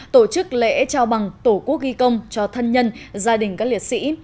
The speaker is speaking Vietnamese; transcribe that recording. tổ chức lễ trao bằng tổ quốc ghi công cho thân nhân gia đình các liệt sĩ